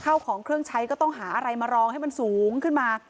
เข้าของเครื่องใช้ก็ต้องหาอะไรมารองให้มันสูงขึ้นมา